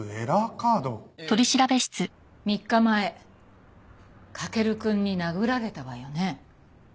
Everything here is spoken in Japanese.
３日前駆くんに殴られたわよね？